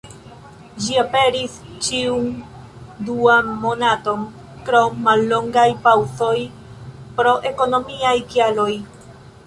Ĝi aperis ĉiun duan monaton, krom mallongaj paŭzoj pro ekonomiaj kialoj.